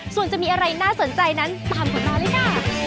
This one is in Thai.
ส่วนจะมีอะไรน่าสนใจนั้นตามผมมาเลยค่ะ